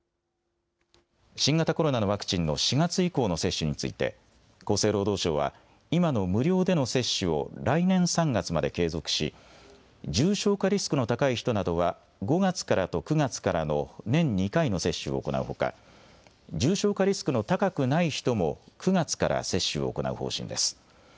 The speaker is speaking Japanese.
新型コロナのワクチンの４月以降の接種について、厚生労働省は、今の無料での接種を来年３月まで継続し、重症化リスクの高い人などは、５月からと９月からの年２回の接種を行うほか、重症化リスクの高くない人も、９月から接種を行う方針です。